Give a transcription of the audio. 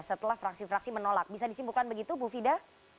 setelah fraksi fraksi menolak bisa disimpulkan begitu bu fida